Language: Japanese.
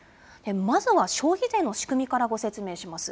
まずは消費税の仕組みからご説明します。